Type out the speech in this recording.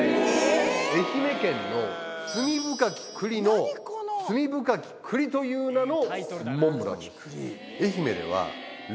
愛媛県の罪深き栗の「罪深き栗」という名のモンブランです。